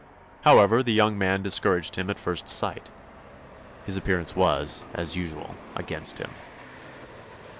However, the young man discouraged him at first sight. His appearance was, as usual, against him.